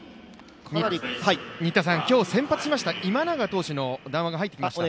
今日先発しました今永投手の談話が入ってきました。